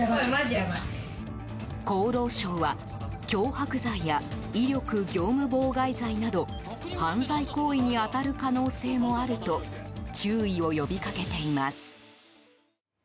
厚労省は脅迫罪や威力業務妨害罪など犯罪行為に当たる可能性もあると注意を呼びかけています。